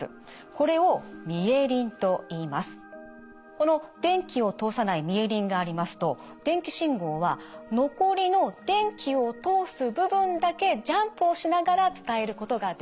この電気を通さないミエリンがありますと電気信号は残りの電気を通す部分だけジャンプをしながら伝えることができるんです。